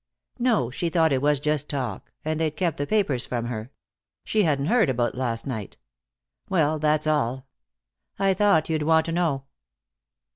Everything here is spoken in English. "No. She thought it was just talk. And they'd kept the papers from her. She hadn't heard about last night. Well, that's all. I thought you'd want to know."